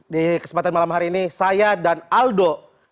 di kesempatan malam hari ini saya dan aldo